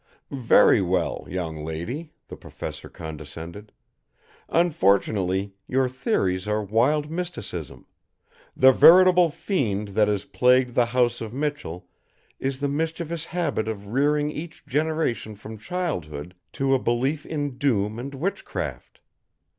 "Very well, young lady," the Professor condescended. "Unfortunately, your theories are wild mysticism. The veritable fiend that has plagued the house of Michell is the mischievous habit of rearing each generation from childhood to a belief in doom and witchcraft.